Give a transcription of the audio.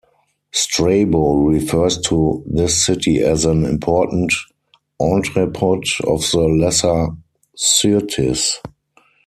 Strabo refers to this city as an important entrepot of the Lesser Syrtis.